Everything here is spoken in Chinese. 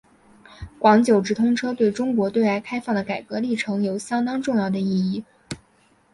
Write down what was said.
广九直通车对中国对外开放的改革历程有相当重要的意义。